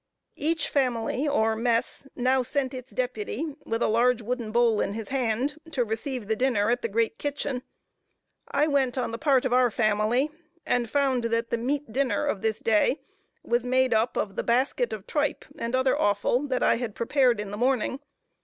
Each family, or mess, now sent its deputy, with a large wooden bowl in his hand, to receive the dinner at the great kitchen. I went on the part of our family, and found that the meat dinner of this day was made up of the basket of tripe, and other offal, that I had prepared in the morning.